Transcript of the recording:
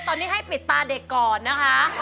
ตอนนี้ให้ปิดตาเด็กก่อนนะคะ